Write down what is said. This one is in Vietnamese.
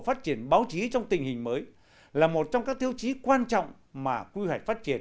phát triển báo chí trong tình hình mới là một trong các tiêu chí quan trọng mà quy hoạch phát triển